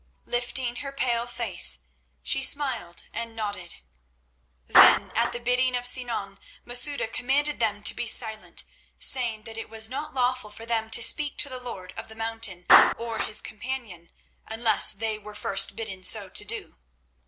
Lifting her pale face, she smiled and nodded. Then, at the bidding of Sinan, Masouda commanded them to be silent, saying that it was not lawful for them to speak to the Lord of the Mountain, or his Companion, unless they were first bidden so to do.